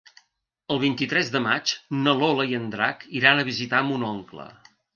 El vint-i-tres de maig na Lola i en Drac iran a visitar mon oncle.